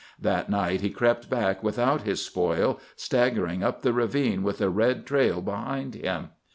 That night he crept back without his spoil, staggering up the ravine with a red trail behind him.